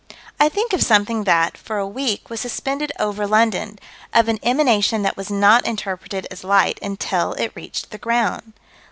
I think of something that, for a week, was suspended over London: of an emanation that was not interpreted as light until it reached the ground.